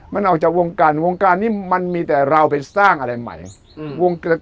มันออกจากวงการวงการนี้มันมีแต่เราไปสร้างอะไรใหม่